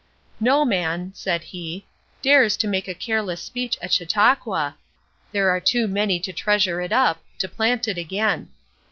"No man," said he, "dares to make a careless speech at Chautauqua, there are too many to treasure it up, to plant it again."